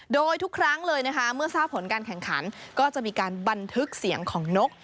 โดยทุกครั้งเลยนะคะเมื่อทราบผลการแข่งขันก็จะมีการบันทึกเสียงของนก